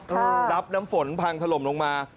รับน้ำฝนพังถล่มลงมา